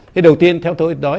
thì đầu tiên theo tôi nói